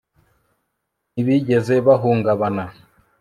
ntibigeze bahungabana